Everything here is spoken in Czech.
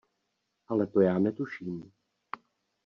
Ale to já netuším.